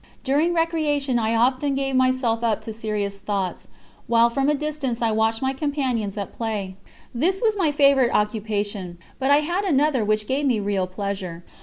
During recreation I often gave myself up to serious thoughts, while from a distance I watched my companions at play. This was my favourite occupation, but I had another which gave me real pleasure.